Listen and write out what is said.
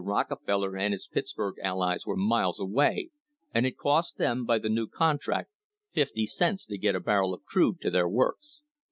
Rockefeller and his Pittsburg allies were miles away, and it cost them, by the new contract, fifty cents to get a barrel of crude to their works.